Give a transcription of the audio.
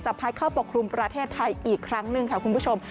พัดเข้าปกครุมประเทศไทยอีกครั้งหนึ่งค่ะคุณผู้ชม